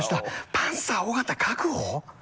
パンサー尾形確保？